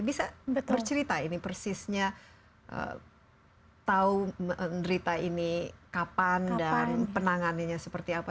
bisa bercerita ini persisnya tahu menderita ini kapan dan penanganannya seperti apa